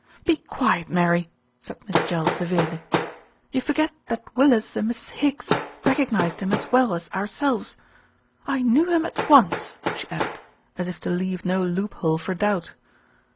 "Be quiet, Mary," said Miss Jell severely. "You forget that Willis and Mrs. Higgs recognised him as well as ourselves. I knew him at once," she added, as if to leave no loophole for doubt.